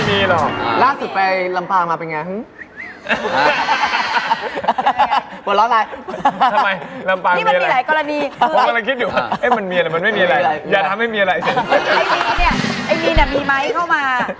ไม่มีเนี่ยมีไหมเข้ามา